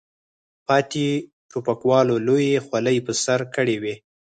پاتې ټوپکوالو لویې خولۍ په سر کړې وې.